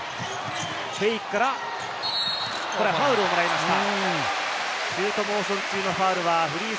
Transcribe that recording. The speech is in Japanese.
フェイクからこれはファウルをもらいました。